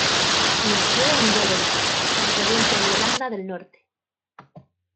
Nació en Volendam, en la provincia de Holanda del Norte.